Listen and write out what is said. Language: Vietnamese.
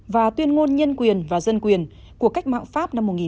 và tuyên ngôn nhân quyền và dân quyền của cách mạng pháp năm một nghìn bảy trăm chín mươi một